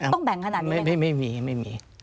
ต้องแบ่งขนาดนี้ไหมครับไม่มีไม่มี